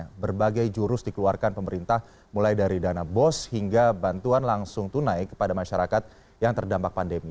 karena berbagai jurus dikeluarkan pemerintah mulai dari dana bos hingga bantuan langsung tunai kepada masyarakat yang terdampak pandemi